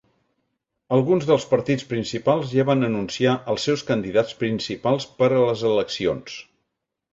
Alguns dels partits principals ja van anunciar els seus candidats principals per a les eleccions.